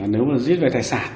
nếu mà giết về tài sản